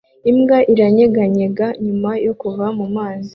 Imbwa iranyeganyega nyuma yo kuva mu mazi